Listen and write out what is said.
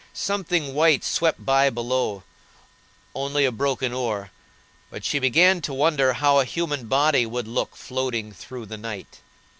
Something white swept by below,—only a broken oar—but she began to wonder how a human body would look floating through the night.